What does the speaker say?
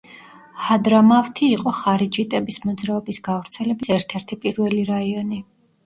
ჰადრამავთი იყო ხარიჯიტების მოძრაობის გავრცელების ერთ-ერთი პირველი რაიონი.